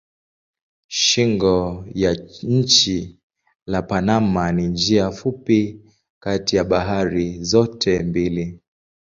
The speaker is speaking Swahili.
Shingo ya nchi la Panama ni njia fupi kati ya bahari zote mbili.